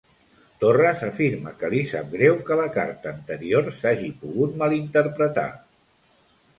Torres afirma que li sap greu que la carta anterior s'hagi pogut malinterpretar.